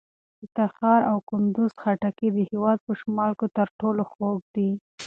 د تخار او کندوز خټکي د هېواد په شمال کې تر ټولو خوږ دي.